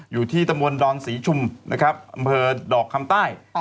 อยู่ที่ตมวนดอนศรีชุมอำเภอดอกคำใต้